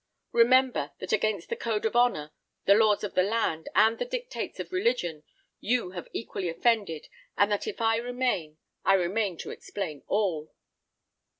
Remember, that against the code of honour, the laws of the land, and the dictates of religion, you have equally offended, and that if I remain, I remain to explain all."